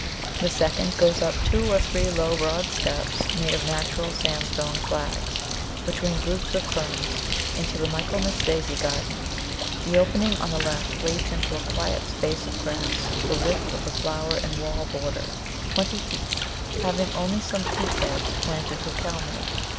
The second goes up two or three low, broad steps made of natural sandstone flags, between groups of Ferns, into the Michaelmas Daisy garden. The opening on the left leads into a quiet space of grass the width of the flower and wall border (twenty feet), having only some peat beds planted with Kalmia.